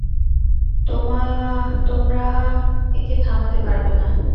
তোমরা একে থামাতে পারবে না।